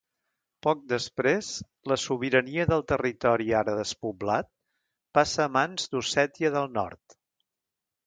Poc després, la sobirania del territori ara despoblat passa a mans d'Ossètia del Nord.